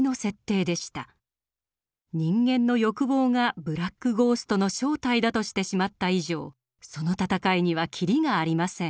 人類の欲望がブラック・ゴーストの正体だとしてしまった以上その戦いには切りがありません。